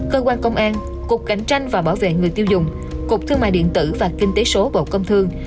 cơ quan công an cục cạnh tranh và bảo vệ người tiêu dùng cục thương mại điện tử và kinh tế số bộ công thương